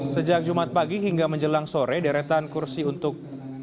sejak jumat pagi hingga menjelang sore deretan kursi untuk